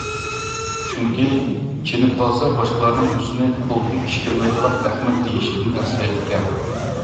چۈنكى، چېنىپ قالسا باشقىلارنىڭ ئۆزىنى قولىدىن ئىش كەلمەيدىغان ئەخمەق دېيىشىدىن ئەنسىرەيدىكەن.